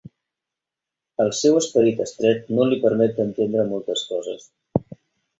El seu esperit estret no li permet d'entendre moltes coses.